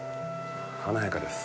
華やかです。